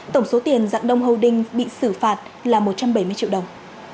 tổng số tiền dạng đông hâu đinh bị xử phạt là một trăm bảy mươi triệu đồng